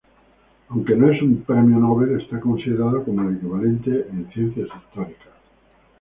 Aunque no es un "Premio Nobel" está considerado como el equivalente en Ciencias Históricas.